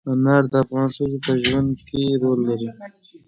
انار د افغان ښځو په ژوند کې رول لري.